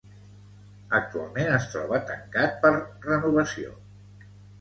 Actualment es troba tancat per renovació.